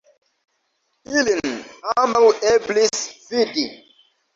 Ilin ambaŭ eblis fidi.